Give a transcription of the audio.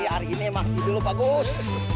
hari ini emang gitu lho pak gus